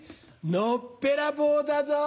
のっぺらぼうだぞ。